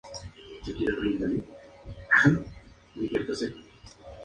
Durante su carrera jugó en el Sochaux, Auxerre y Lorient.